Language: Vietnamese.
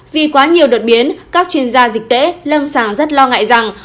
vì quá nhiều đột biến các chuyên gia dịch tễ lâm sàng rất lo ngại rằng